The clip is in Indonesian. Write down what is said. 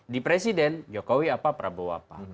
di presiden jokowi apa prabowo apa